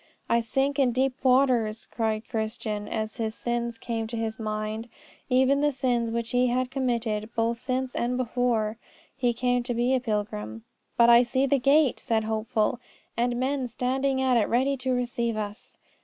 "I sink in deep waters," cried Christian, as his sins came to his mind, even the sins which he had committed both since and before he came to be a pilgrim. "But I see the gate," said Hopeful, "and men standing at it ready to receive us."